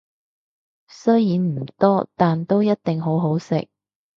雖然唔多，但都一定好好食